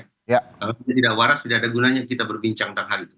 kalau tidak waras tidak ada gunanya kita berbincang tentang hal itu